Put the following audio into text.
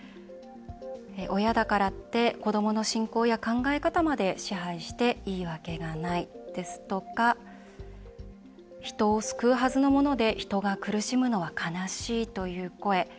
親だからって子どもの信仰や考え方まで支配していいわけがないですとか人を救うはずのもので人が苦しむのは悲しいという声。